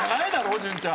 潤ちゃん。